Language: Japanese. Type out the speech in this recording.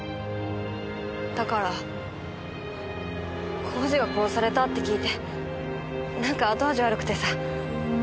だから耕治が殺されたって聞いてなんか後味悪くてさ。